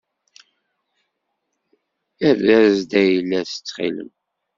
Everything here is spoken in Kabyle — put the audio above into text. Err-as-d ayla-as ttxil-m.